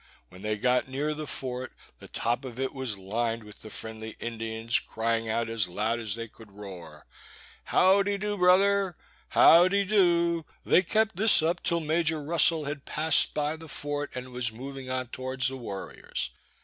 When they got near the fort, the top of it was lined with the friendly Indians, crying out as loud as they could roar, "How dy do, brother, how dy do?" They kept this up till Major Russel had passed by the fort, and was moving on towards the warriors.